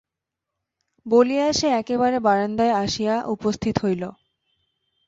বলিয়া সে একেবারে বারান্দায় আসিয়া উপস্থিত হইল।